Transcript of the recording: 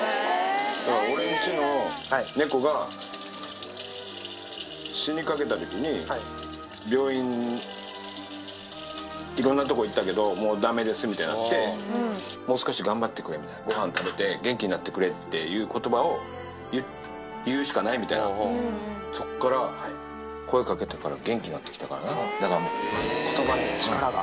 俺んちの猫が、死にかけたときに、病院、いろんなとこ行ったけど、もうだめですみたいになって、もう少し頑張ってくれって、ごはん食べて元気になってくれっていうことばを言うしかないみたいな、そこから、声かけてから、元気になってきたからな、だからことばには力が。